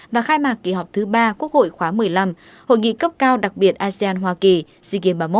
và khai mạc kỳ họp thứ ba quốc hội khóa một mươi năm hội nghị cấp cao đặc biệt asean hoa kỳ sea games ba mươi một